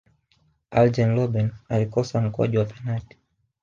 arjen robben alikosa mkwaju wa penati